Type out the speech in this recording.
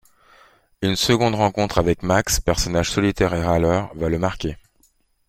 Une seconde rencontre avec Max personnage solitaire et râleur va le marquer.